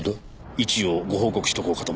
一応ご報告しとこうかと思いまして。